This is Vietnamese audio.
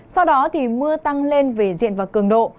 sau đó thì mưa tăng lên về diện và cường độ